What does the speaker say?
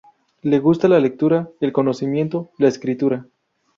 Le gusta la lectura, el conocimiento, la escritura.